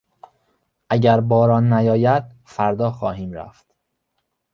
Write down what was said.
اگر باران نیاید فردا خواهیم رفت.